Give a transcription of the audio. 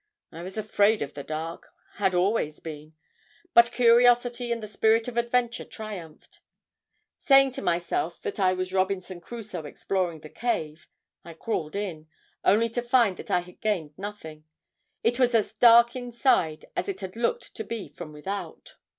I was afraid of the dark had always been. But curiosity and the spirit of adventure triumphed. Saying to myself that I was Robinson Crusoe exploring the cave, I crawled in, only to find that I had gained nothing. It was as dark inside as it had looked to be from without.